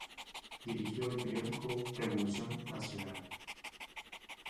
Dirigió el periódico "Revolución Nacional".